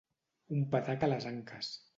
Un patac a les anques.